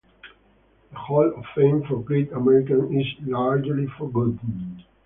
The Hall of Fame for Great Americans is largely forgotten.